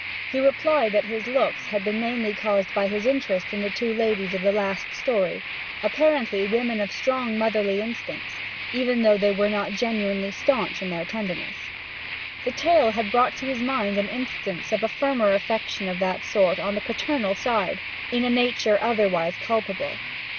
He replied that his looks had been mainly caused by his interest in the two ladies of the last story, apparently women of strong motherly instincts, even though they were not genuinely staunch in their tenderness. The tale had brought to his mind an instance of a firmer affection of that sort on the paternal side, in a nature otherwise culpable.